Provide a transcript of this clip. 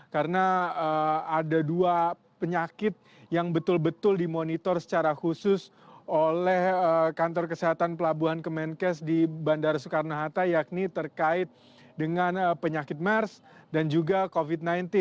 karena ada dua penyakit yang betul betul dimonitor secara khusus oleh kantor kesehatan pelabuhan kemenkes di bandara soekarno hatta yakni terkait dengan penyakit mers dan juga covid sembilan belas